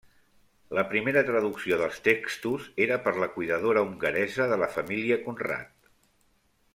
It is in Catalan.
La primera traducció dels textos era per la cuidadora hongaresa de la família Conrat.